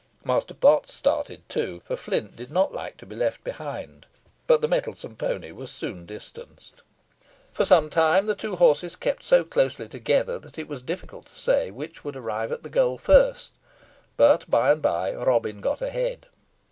Master Potts started too, for Flint did not like to be left behind, but the mettlesome pony was soon distanced. For some time the two horses kept so closely together, that it was difficult to say which would arrive at the goal first; but, by and by, Robin got a head.